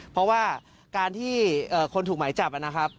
เพราะว่าการที่คนถูกหมายจับ